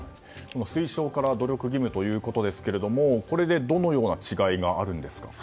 推奨から努力義務ということですがこれでどのような違いがあるんですか？